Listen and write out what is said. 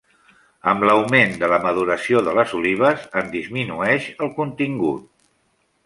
Amb l'augment de la maduració de les olives en disminueix el contingut.